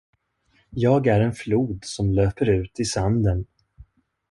Jag är en flod som löper ut i sanden.